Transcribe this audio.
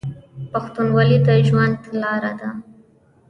پښتونولي د ژوند لاره ده.